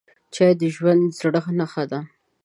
چای د ژوندي زړه نښه ده